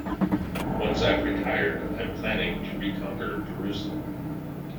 Once I've retired, I'm planning to reconquer Jerusalem.